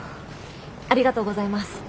ありがとうございます。